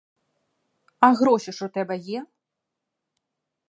А гроші ж у тебе є?